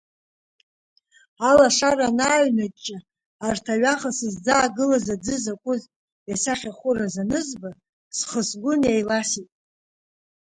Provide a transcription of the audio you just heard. Алашара анааҩнаҷҷа, арҭ аҩаха сызӡаагылаз аӡы закәыз, иасахьахәыраз анызба, схы-сгәы неиласит.